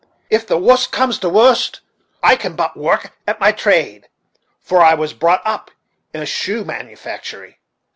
If the wust comes to the wust, I can but work at my trade, for I was brought up in a shoe manufactory."